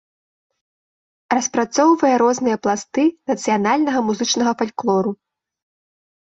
Распрацоўвае розныя пласты нацыянальнага музычнага фальклору.